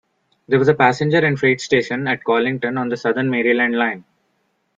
There was a passenger and freight station at Collington on the Southern Maryland Line.